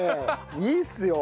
いいっすよ。